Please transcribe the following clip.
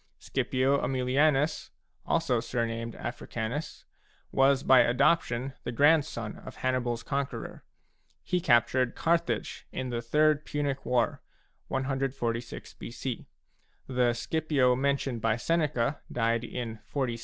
Scipio Aemilianus, also surnamed Africanus, was by adop tion the grandson of HannibaFs conqueror. He captured Carthage in the Third Punic War, 146 b.c. The Scipio mentioned by Seneca died in 46 b.c.